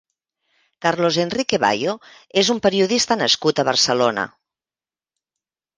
Carlos Enrique Bayo és un periodista nascut a Barcelona.